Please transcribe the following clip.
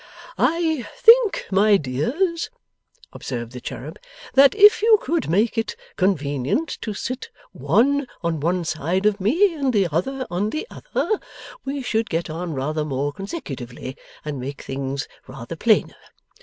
'I think, my dears,' observed the cherub, 'that if you could make it convenient to sit one on one side of me, and the other on the other, we should get on rather more consecutively, and make things rather plainer.